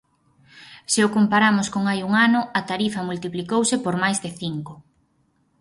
Se o comparamos con hai un ano, a tarifa multiplicouse por máis de cinco.